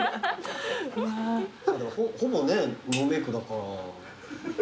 ほぼねぇノーメークだから。